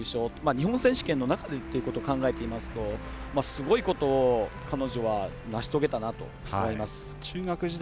日本選手権の中でということを考えて言いますとすごいことを彼女は成し遂げたなと思います。